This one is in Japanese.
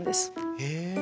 へえ！